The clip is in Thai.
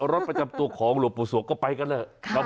รถประจำตัวของหลวงปุ๋ยสวกก็ไปกันเลย